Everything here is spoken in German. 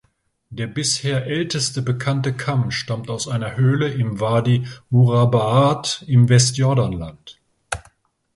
Der bisher älteste bekannte Kamm stammt aus einer Höhle im Wadi Murabbaʿat im Westjordanland.